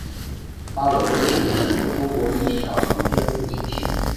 阿勒根氏是中国历史上女真族姓氏。